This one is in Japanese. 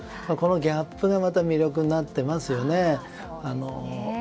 このギャップがまた魅力になっていますよね。